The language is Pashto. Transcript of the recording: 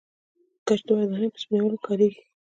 ګچ د ودانیو په سپینولو کې کاریږي.